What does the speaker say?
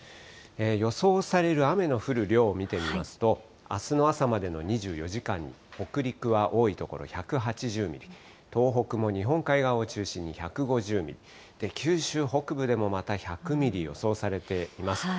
予想される雨の降る量を見てみますと、あすの朝までの２４時間に、北陸は多い所１８０ミリ、東北も日本海側を中心に１５０ミリ、九州北部でもまた１００ミリ予想されています。